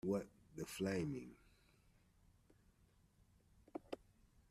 What the flaming.